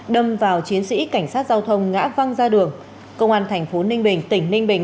đâm vào chiến sĩ cảnh sát giao thông ngã văng ra đường công an thành phố ninh bình tỉnh ninh bình